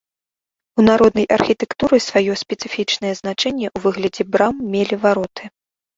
У народнай архітэктуры сваё спецыфічнае значэнне ў выглядзе брам мелі вароты.